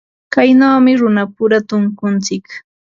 Kaynawmi runapura tunkuntsik.